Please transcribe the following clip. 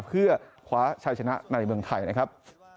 เพื่อคว้าชัยชนะในเมืองไทยนะครับ